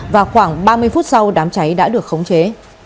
và khoảng ba mươi phút sau đám cháy đã được khống chế